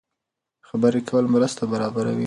خبرې کول مرسته برابروي.